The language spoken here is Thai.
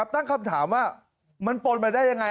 ตั้งคำถามว่ามันปนมาได้ยังไง